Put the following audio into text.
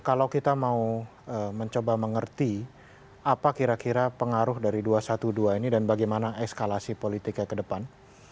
kalau kita mau mencoba mengerti apa kira kira pengaruh dari dua ratus dua belas ini dan bagaimana eskalasi politiknya ke depan